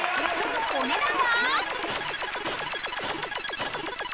［お値段は？］